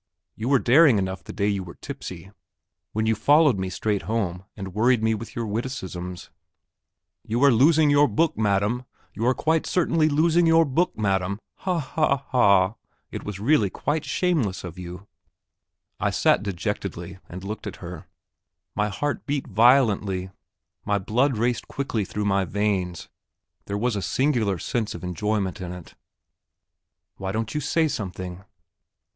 You were daring enough the day you were tipsy when you followed me straight home and worried me with your witticisms. 'You are losing your book, madam; you are quite certainly losing your book, madam!' Ha, ha, ha! it was really shameless of you." I sat dejectedly and looked at her; my heart beat violently, my blood raced quickly through my veins, there was a singular sense of enjoyment in it! "Why don't you say something?"